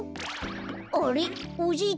あれっおじいちゃんは？